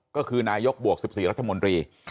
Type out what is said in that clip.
ก็คือนายกบวก๑๔รัฐมนตรี